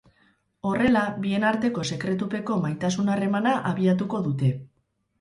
Horrela, bien arteko sekretupeko maitasun harremana abiatuko dute.